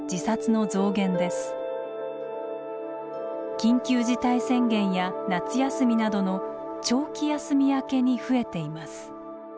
緊急事態宣言や夏休みなどの長期休み明けに増えています。